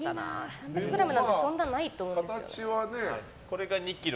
３００ｇなんてそんなないと思うんですよ。